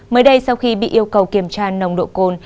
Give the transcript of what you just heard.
mới đây sau khi bị yêu cầu kiểm tra nồng độ cồn